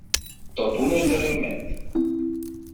Tot un esdeveniment.